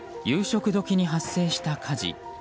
夕食時に発生した火事。